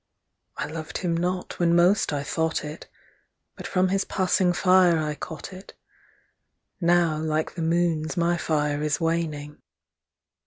I loved him not when most I thought it ; But from his passing fire I caught it : Now like the moon's my fire is waning.